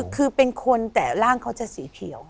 คือเป็นคนแต่ร่างเขาจะสีเขียว